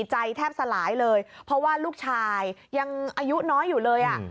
ใจแทบสลายเลยเพราะว่าลูกชายยังอายุน้อยอยู่เลยอ่ะ